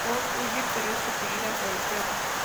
Rocky huye, pero es perseguida por el perro.